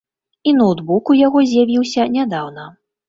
І ноўтбук у яго з'явіўся нядаўна.